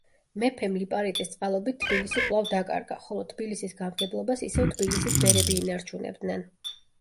მეფემ ლიპარიტის წყალობით თბილისი კვლავ დაკარგა, ხოლო თბილისის გამგებლობას ისევ თბილისის ბერები ინარჩუნებდნენ.